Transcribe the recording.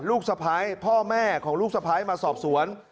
ลูกสะพ้ายพ่อแม่ของลูกสะพ้ายมาสอบสวน